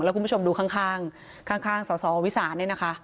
แล้วคุณผู้ชมดูข้างส่อวิสานเนี่ยนะคะ